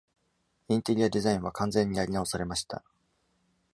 インテリアデザインは完全にやり直されました。